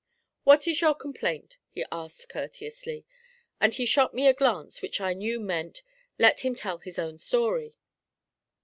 'What is your complaint?' he asked courteously; and he shot me a glance which I knew meant, 'Let him tell his own story.'